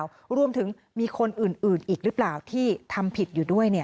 แล้วรวมถึงมีคนอื่นอีกหรือเปล่าที่ทำผิดอยู่ด้วยเนี่ย